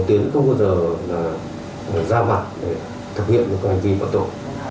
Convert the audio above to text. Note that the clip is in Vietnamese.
tiến không bao giờ ra mặt để thực hiện những hành vi hoạt động